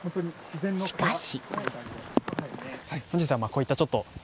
しかし。